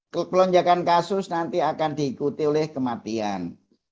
kelonjakan kasus nanti akan diikuti oleh kematian